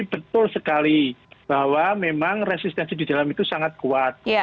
betul sekali bahwa memang resistensi di dalam itu sangat kuat